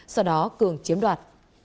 sau đó cường chiếm đoạt